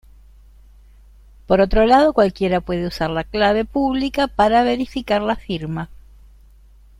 Por otro lado cualquiera puede usar la clave pública para verificar la firma.